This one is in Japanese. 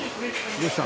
どうした？